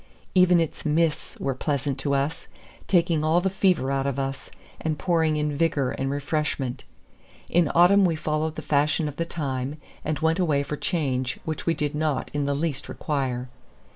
Even its mists were pleasant to us, taking all the fever out of us, and pouring in vigor and refreshment. In autumn we followed the fashion of the time, and went away for change which we did not in the least require.